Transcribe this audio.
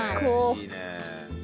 いいね！